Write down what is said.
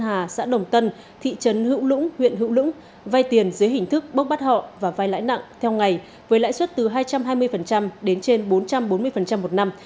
hà xã đồng tân thị trấn hữu lũng huyện hữu lũng vay tiền dưới hình thức bốc bắt họ và vai lãi nặng theo ngày với lãi suất từ hai trăm hai mươi đến trên bốn trăm bốn mươi một năm